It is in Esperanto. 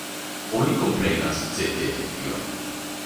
Oni komprenas cetere tion.